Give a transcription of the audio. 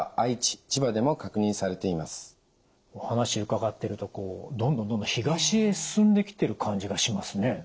お話伺ってるとどんどんどんどん東へ進んできてる感じがしますね。